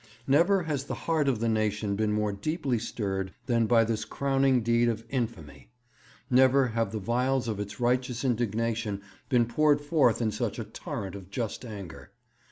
Never has the heart of the nation been more deeply stirred than by this crowning deed of infamy; never have the vials of its righteous indignation been poured forth in such a torrent of just anger.